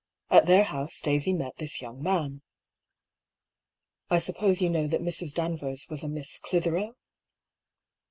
At their house Daisy met this young man. I suppose you know that Mrs. Danvers was a Miss Clithero